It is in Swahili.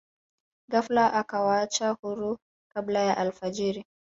ghafla akawaacha huru kabla ya alfajiri